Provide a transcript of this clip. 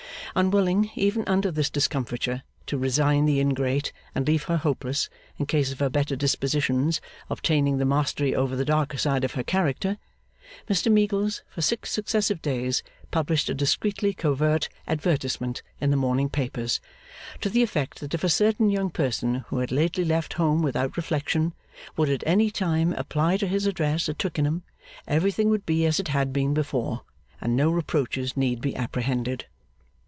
Unwilling, even under this discomfiture, to resign the ingrate and leave her hopeless, in case of her better dispositions obtaining the mastery over the darker side of her character, Mr Meagles, for six successive days, published a discreetly covert advertisement in the morning papers, to the effect that if a certain young person who had lately left home without reflection, would at any time apply to his address at Twickenham, everything would be as it had been before, and no reproaches need be apprehended.